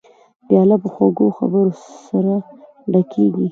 پیاله په خوږو خبرو سره ډکېږي.